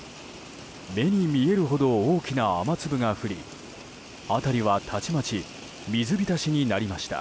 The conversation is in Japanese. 目に見えるほど大きな雨粒が降り辺りはたちまち水浸しになりました。